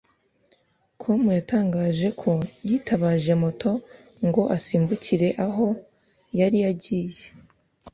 com yatangaje ko yitabaje moto ngo asimbukire aho yari agiye